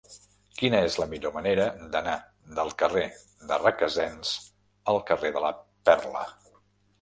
Quina és la millor manera d'anar del carrer de Requesens al carrer de la Perla?